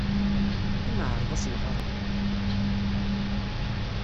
I neɛreḍ ad as-nɣer?